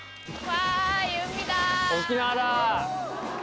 沖縄だ。